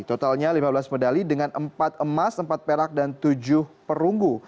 totalnya lima belas medali dengan empat emas empat perak dan tujuh perunggu